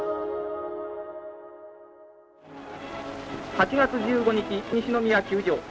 ８月１５日西宮球場。